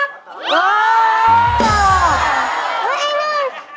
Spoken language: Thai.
เฮ้ยไอ้น้อง